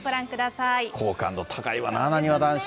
好感度高いわな、なにわ男子。